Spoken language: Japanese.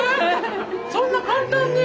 そんな簡単に。